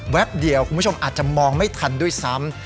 เดียวคุณผู้ชมอาจจะมองไม่ทันด้วยซ้ำ